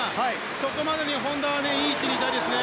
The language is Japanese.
そこまでに、本多はいい位置にいたいですよね。